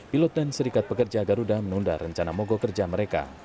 pilot dan serikat pekerja garuda menunda rencana mogok kerja mereka